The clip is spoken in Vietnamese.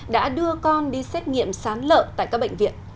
đã đưa con đi xét nghiệm sán lợn tại các bệnh viện